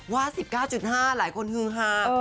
ว่า๑๙๕หลายคนฮือฮา